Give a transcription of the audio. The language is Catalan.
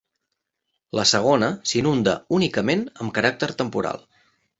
La segona, s'inunda únicament amb caràcter temporal.